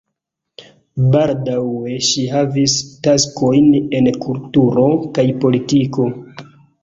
Baldaŭe ŝi havis taskojn en kulturo kaj politiko.